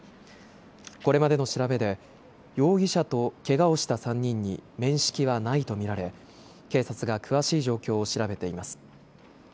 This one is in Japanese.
これまでの調べで容疑者とけがをした３人に面識はないと見られ警察が詳しい状況を調べています。